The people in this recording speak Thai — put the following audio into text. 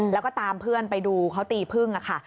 แล้วก็ตามเพื่อนไปดูเขาตีพึ่งค่ะ